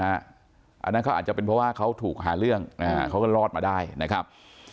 อันนั้นเขาอาจจะเป็นเพราะว่าเขาถูกหาเรื่องเขาก็รอดมาได้นะครับ